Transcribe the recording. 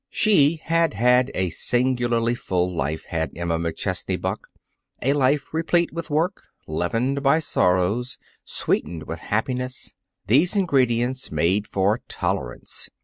She had had a singularly full life, had Emma McChesney Buck. A life replete with work, leavened by sorrows, sweetened with happiness. These ingredients make for tolerance.